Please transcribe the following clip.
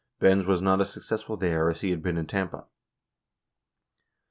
Benz was not as successful there as he had been in Tampa.